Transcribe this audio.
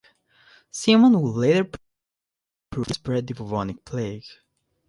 Simond would later proof that the flea spread the bubonic plague.